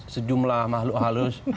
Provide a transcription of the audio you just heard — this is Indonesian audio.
sejumlah makhluk halus